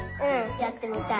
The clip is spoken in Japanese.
やってみたい。